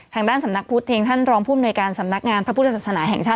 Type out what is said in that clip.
ทางด้านสำนักพุทธเองท่านรองพูดมาในการสำนักงานภาพภูติศาสนาแห่งชาติ